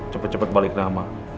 cepet cepet balik nama